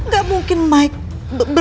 gak mungkin mike